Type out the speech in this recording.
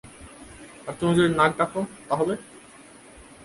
আর তুমি যদি নাক ডাকো, তাহলে?